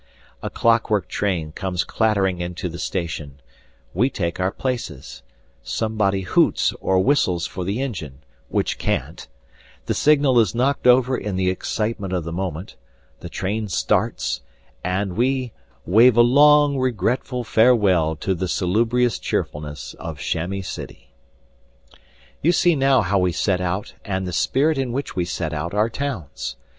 A clockwork train comes clattering into the station, we take our places, somebody hoots or whistles for the engine (which can't), the signal is knocked over in the excitement of the moment, the train starts, and we "wave a long, regretful farewell to the salubrious cheerfulness of Chamois City." You see now how we set out and the spirit in which we set out our towns.